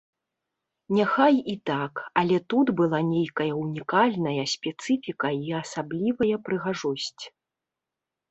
Няхай і так, але тут была нейкая ўнікальная спецыфіка і асаблівая прыгажосць.